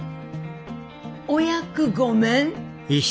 お役御免？